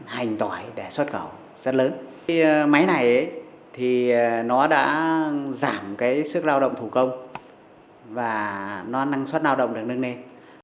hành tỏi để xuất khẩu rất lớn máy này thì nó đã giảm cái sức lao động thủ công và nó năng suất lao động được nâng lên